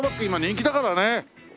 今人気だからね。